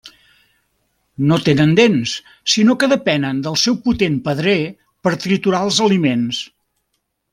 No tenen dents, sinó que depenen del seu potent pedrer per triturar els aliments.